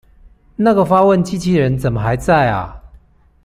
那個發問機器人怎麼還在阿